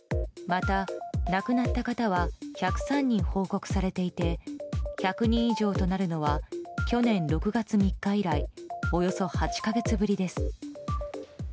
また、亡くなった方は１０３人報告されていて１００人以上となるのは去年６月３日以来およそ８か月ぶりです。